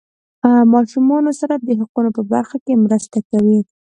ماشومانو سره د حقوقو په برخه کې مرسته کوي.